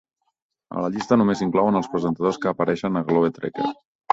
A la llista només s'inclouen els presentadors que apareixen a Globe Trekker.